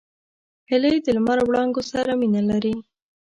هیلۍ د لمر وړانګو سره مینه لري